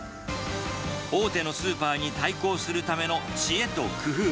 大手のスーパーに対抗するための知恵と工夫。